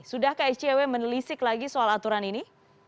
sudahkah icw menelisik lagi soal aturan ini